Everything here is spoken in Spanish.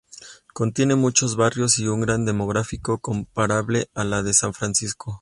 Contiene muchos barrios y un gran demográfico comparable a la de San Francisco.